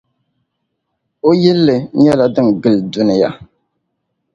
O yilli nyɛla din gili duniya.